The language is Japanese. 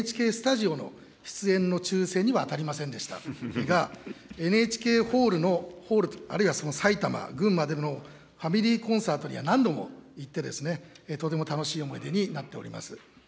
残念ながら、ＮＨＫスタジオの出演の抽せんには当たりませんでしたが、ＮＨＫホールの、あるいは埼玉、群馬でのファミリーコンサートには何度も行って、とても楽しい思い出になっております。